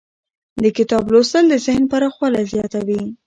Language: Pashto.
د کتاب لوستل د ذهن پراخوالی زیاتوي.